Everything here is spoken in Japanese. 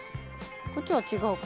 こっちは違うか。